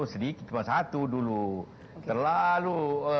sedikit cuma satu dulu terlalu